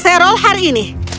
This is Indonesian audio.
serol hari ini